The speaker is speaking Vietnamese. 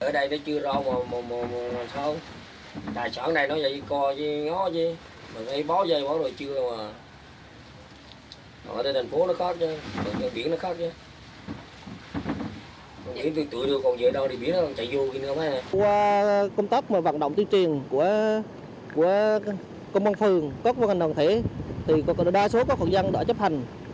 đa số các hội dân đã chấp hành